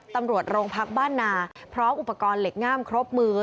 ตำรวจโรงพักบ้านนาพร้อมอุปกรณ์เหล็กง่ามครบมือ